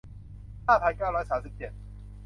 ห้าพันเก้าร้อยสามสิบเจ็ด